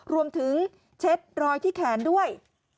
รวมถึงเช็ดรอยที่แขนด้วย